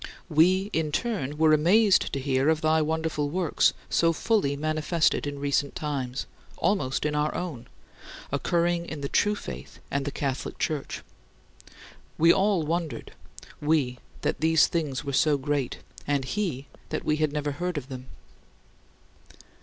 We in turn were amazed to hear of thy wonderful works so fully manifested in recent times almost in our own occurring in the true faith and the Catholic Church. We all wondered we, that these things were so great, and he, that we had never heard of them.